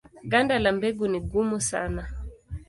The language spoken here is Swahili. Ganda la mbegu ni gumu sana.